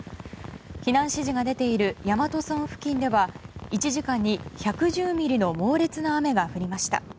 避難指示が出ている大和村付近では１時間に１１０ミリの猛烈な雨が降りました。